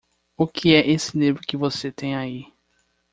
O que é esse livro que você tem aí?